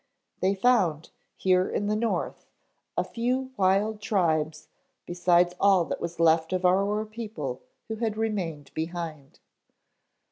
They found, here in the north, a few wild tribes besides all that was left of our people who had remained behind."